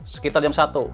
sekitar jam satu